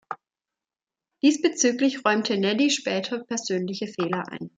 Diesbezüglich räumte Nelly später persönliche Fehler ein.